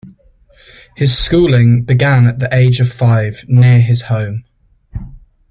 His schooling began at the age of five, near his home.